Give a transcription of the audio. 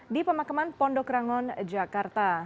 di pemakaman pondok rangon jakarta